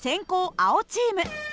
青チーム。